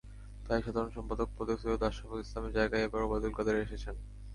তাই সাধারণ সম্পাদক পদে সৈয়দ আশরাফুল ইসলামের জায়গায় এবার ওবায়দুল কাদের এসেছেন।